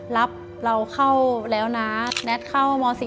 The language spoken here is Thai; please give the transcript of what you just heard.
รับเราเข้าแล้วนะ